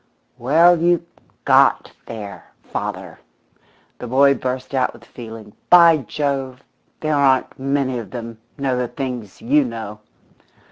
"Well, you got there, father!" the boy burst out with feeling. "By Jove, there aren't many of them know the things you know!"